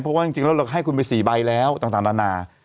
เพราะว่าจริงแล้วเราให้คุณไป๔ใบแล้วต่างนานา